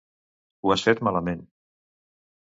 Ho has fet malament.